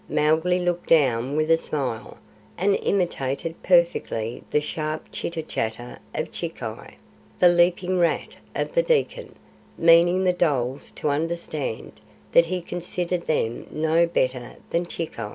Mowgli looked down with a smile, and imitated perfectly the sharp chitter chatter of Chikai, the leaping rat of the Dekkan, meaning the dholes to understand that he considered them no better than Chikai.